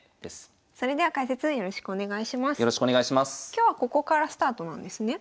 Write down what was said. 今日はここからスタートなんですね。